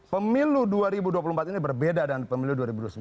pemilu dua ribu dua puluh empat ini berbeda dengan pemilu dua ribu sembilan belas